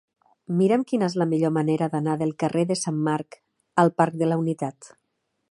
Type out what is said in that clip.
Mira'm quina és la millor manera d'anar del carrer de Sant Marc al parc de la Unitat.